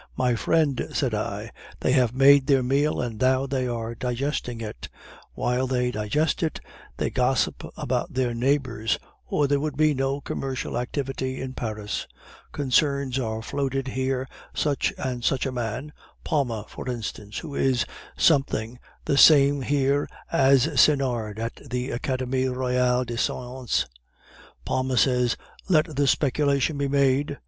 'My friend,' said I, 'they have made their meal, and now they are digesting it; while they digest it, they gossip about their neighbors, or there would be no commercial security in Paris. Concerns are floated here, such and such a man Palma, for instance, who is something the same here as Sinard at the Academie Royale des Sciences Palma says, "let the speculation be made!"